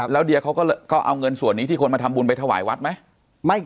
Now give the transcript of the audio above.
แล้วเดียเขาก็เอาเงินส่วนนี้ที่คนมาทำบุญไปถวายวัดไหม